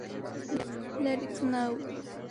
Let it snow!